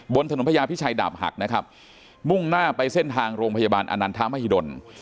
บนถนนพญาพิชัยดาบหักนะครับมุ่งหน้าไปเส้นทางโรงพยาบาลอนันทมหิดล